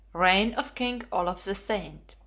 REIGN OF KING OLAF THE SAINT.